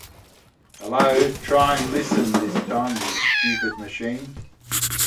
Duty at Macon and in Georgia until August.